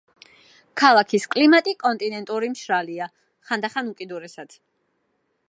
ქალაქის კლიმატი კონტინენტური მშრალია, ხანდახან უკიდურესად.